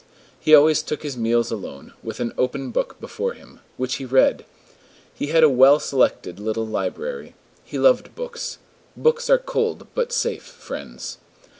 He always took his meals alone, with an open book before him, which he read. He had a well selected little library. He loved books; books are cold but safe friends.